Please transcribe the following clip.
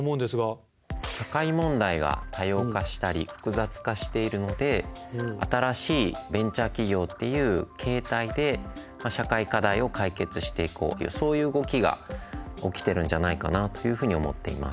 社会問題が多様化したり複雑化しているので新しいベンチャー企業っていう形態で社会課題を解決していこうそういう動きが起きてるんじゃないかなっていうふうに思っています。